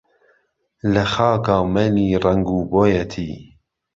لە خاکا مەیلی ڕەنگ و بۆیەتی